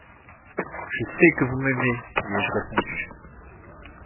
Je sais que vous m’aimez, lui ai-je répondu.